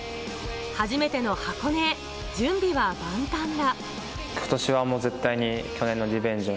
初めての箱根へ、準備は万端だ。